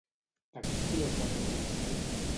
De quin color es va tenyir el cel?